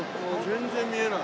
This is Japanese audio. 全然見えない。